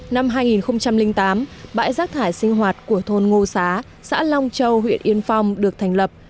năm hai nghìn tám bãi rác thải sinh hoạt của thôn ngô xá xã long châu huyện yên phong được thành lập